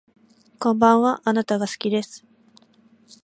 こんばんはあなたが好きです